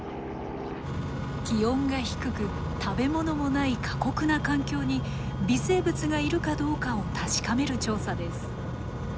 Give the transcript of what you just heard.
気温が低く食べ物もない過酷な環境に微生物がいるかどうかを確かめる調査です。